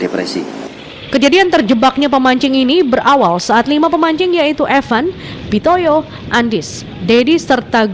proses evakuasi pun berlangsung dramatis